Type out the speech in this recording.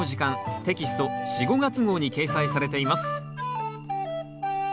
テキスト４・５月号に掲載されています